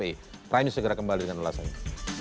raihan segera kembali dengan ulasannya